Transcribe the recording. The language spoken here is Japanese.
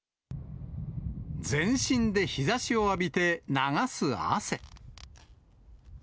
全身で日ざしを浴びて、流す汗。